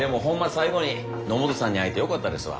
最後に野本さんに会えてよかったですわ。